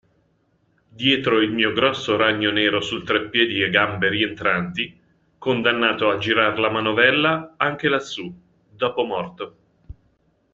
Dietro il mio grosso ragno nero sul treppiedi a gambe rientranti, condannato a girar la manovella, anche lassù, dopo morto.